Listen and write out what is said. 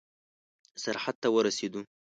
سرحد ته ورسېدو.